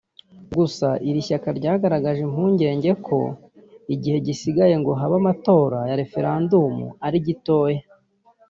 Gusa iri shyaka ryagaragaje impungenge ko igihe gisigaye ngo habe amatora ya referendumu ari gitoya